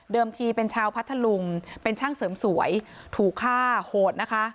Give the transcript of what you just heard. ทีเป็นชาวพัทธลุงเป็นช่างเสริมสวยถูกฆ่าโหดนะคะ